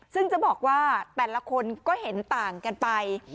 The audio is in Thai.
ซึ่งจะบอกว่าแต่ละคนก็เห็นต่างกันไป